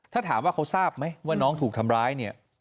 ถ้าถามว่าเขาทราบไหมว่าน้องถูกทำร้ายเนี่ย